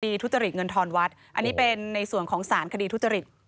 ทุจริตเงินทอนวัดอันนี้เป็นในส่วนของสารคดีทุจริต